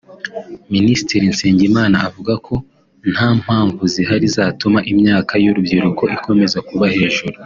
Minisitiri Nsengimana avuga ko nta mpamvu zigihari zatuma imyaka y’urubyiruko ikomeza kuba hejuru